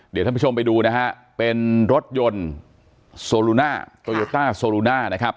เดี๋ยวท่านผู้ชมไปดูนะฮะเป็นรถยนต์โซลูน่าโตโยต้าโซลูน่านะครับ